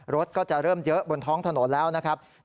รถก็จะเริ่มเยอะบนท้องถนนแล้วนะครับ